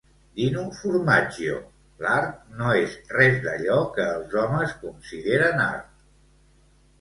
Dino Formaggio "L'art no és res d'allò que els homes consideren art".